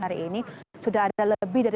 hari ini sudah ada lebih dari lima ratus